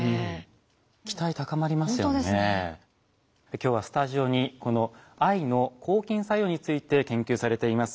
今日はスタジオにこの藍の抗菌作用について研究されています